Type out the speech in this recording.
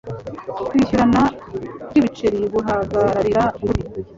kwishyurana bw ibiceri buhagararira kuri